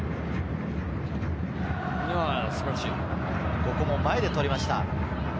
ここも前で取りました。